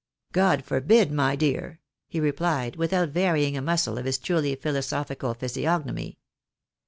God forbid, my dear," he repUed, without varying a muscle of his truly philosophical physiognomy.